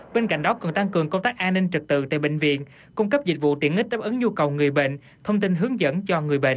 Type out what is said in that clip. bên cạnh đó cần tăng cường công tác an ninh trực tự tại bệnh viện cung cấp dịch vụ tiện ích đáp ứng nhu cầu người bệnh thông tin hướng dẫn cho người bệnh